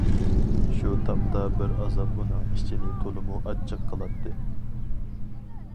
شۇ تاپتا بىر ئازاب ئۇنىڭ ئىچىنى تولىمۇ ئاچچىق قىلاتتى.